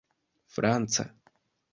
franca